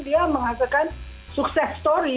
dia menghasilkan sukses story